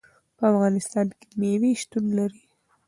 په افغانستان کې مېوې شتون لري.